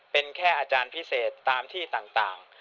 เป็นแค่อาจารย์พิเศษตามที่ต่าง